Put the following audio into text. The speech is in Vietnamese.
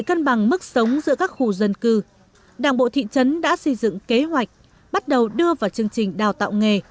để cân bằng mức sống giữa các khu dân cư đảng bộ thị trấn đã xây dựng kế hoạch bắt đầu đưa vào chương trình đào tạo nghề